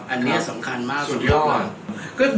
อันเนี่ยสำคัญมากสำหรับเรา